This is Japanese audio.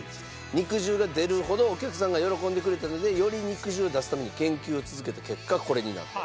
肉汁が出るほどお客さんが喜んでくれたのでより肉汁を出すために研究を続けた結果これになったと。